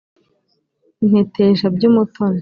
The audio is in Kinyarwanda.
intetesha by'umutoni